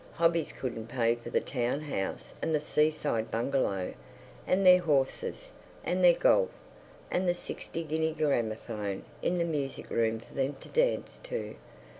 Hobbies couldn't pay for the town house and the seaside bungalow, and their horses, and their golf, and the sixty guinea gramophone in the music room for them to dance to.